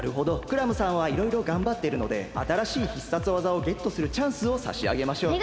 クラムさんはいろいろがんばってるのであたらしい必殺技をゲットするチャンスをさしあげましょう。